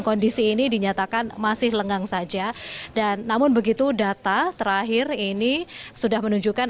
kondisi ini dinyatakan masih lengang saja dan namun begitu data terakhir ini sudah menunjukkan